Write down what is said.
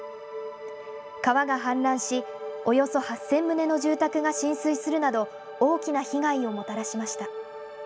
川が氾濫し、およそ８０００棟の住宅が浸水するなど、大きな被害をもたらしました。